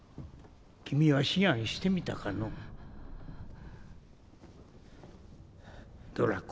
君は思案してみたかのう？